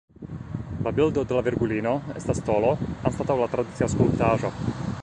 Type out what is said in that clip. La bildo de la Virgulino estas tolo anstataŭ la tradicia skulptaĵo.